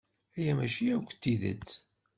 Aya mačči akk d tidet.